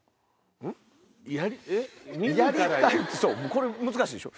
これ難しいでしょ。